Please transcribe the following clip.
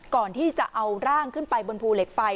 ก่อนที่จะเอาร่างขึ้นไปบนภูเหล็กไฟ